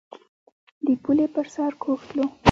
د پولې پر سر کوږ تلو.